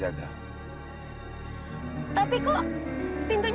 saya bisa bedain